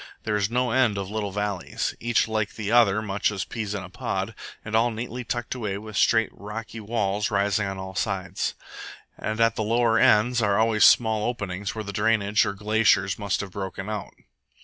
There is no end of little valleys, each like the other much as peas in a pod, and all neatly tucked away with straight, rocky walls rising on all sides. And at the lower ends are always small openings where the drainage or glaciers must have broken out.